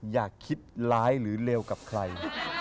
อย่าคิดร้ายหรือเลวกับใคร